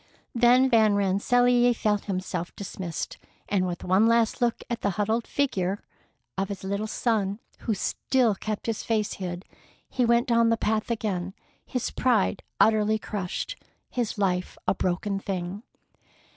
Then Van Rensselaer felt himself dismissed, and with one last look at the huddled figure of his little son, who still kept his face hid, he went down the path again, his pride utterly crushed, his life a broken thing.